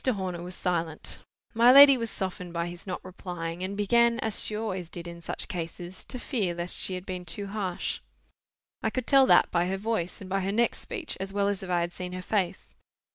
Horner was silent. My lady was softened by his not replying, and began as she always did in such cases, to fear lest she had been too harsh. I could tell that by her voice and by her next speech, as well as if I had seen her face.